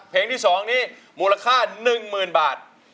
เพลงที่๒นี้มูลค่า๑๐๐๐บาท